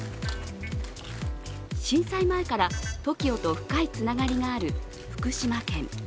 震災前からＴＯＫＩＯと深いつながりがある福島県。